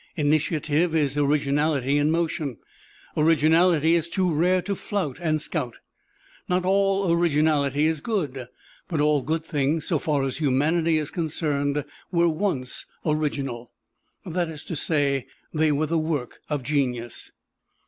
Initiative is originality in motion. Originality is too rare to flout and scout. Not all originality is good, but all good things, so far as humanity is concerned, were once original. That is to say, they were the work of Genius.